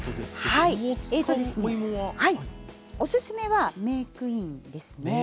はいおすすめはメークインですね。